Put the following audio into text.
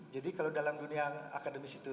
jadi kalau dalam dunia akademis itu